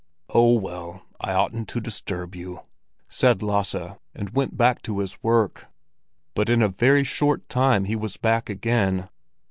"Oh, well, I oughtn't to disturb you," said Lasse, and went to his work. But in a very short time he was back again.